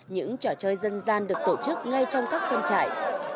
những trò chơi dân gian được tổ chức ngay trong các phân trại